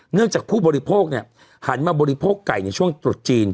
เนื่องจากผู้บริโภคเนี้ยหันมาบริโภคไก่ในช่วงตรุษจีน